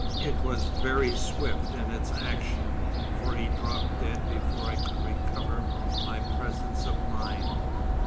It was very swift in its action, for he dropped dead before I could recover my presence of mind."